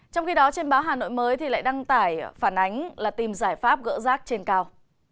trong khi đó trên báo hà nội mới thì lại đăng tải phản ánh là tìm giải pháp gỡ rác trên cao